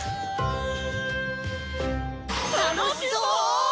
楽しそう！